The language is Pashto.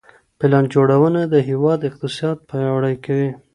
پلان جوړونه د هیواد اقتصاد پیاوړی کوي.